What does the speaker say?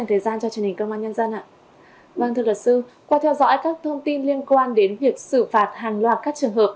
vâng thưa luật sư qua theo dõi các thông tin liên quan đến việc xử phạt hàng loạt các trường hợp